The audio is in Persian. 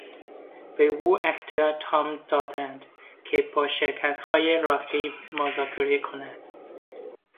به او اختیار تام دادند که با شرکتهای رقیب مذاکره کند.